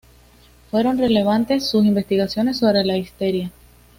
Fueron relevantes sus investigaciones sobre la histeria.